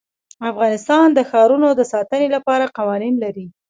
افغانستان د ښارونه د ساتنې لپاره قوانین لري.